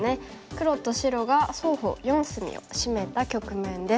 黒と白が双方４隅をシメた局面です。